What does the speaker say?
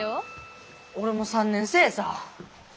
俺も３年生さ！